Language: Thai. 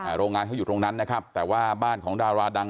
โรงงานเขาอยู่ตรงนั้นนะครับแต่ว่าบ้านของดาราดัง